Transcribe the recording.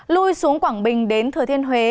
lui xuống quảng bình đến thừa thiên huế